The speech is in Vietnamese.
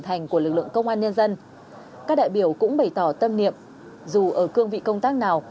thành của lực lượng công an nhân dân các đại biểu cũng bày tỏ tâm niệm dù ở cương vị công tác nào